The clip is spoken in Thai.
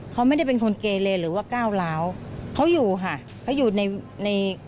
เขาไม่ได้เป็นคนเกเลหรือว่าก้าวร้าวเขาอยู่ค่ะเขาอยู่ในใน